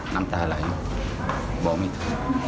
น้ำตาไหลบอกไม่ถูก